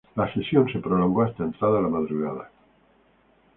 La sesión se prolongó hasta entrada la madrugada.